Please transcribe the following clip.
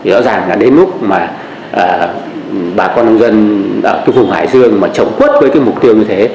rõ ràng là đến lúc mà bà con nông dân ở cái vùng hải dương mà trồng quất với cái mục tiêu như thế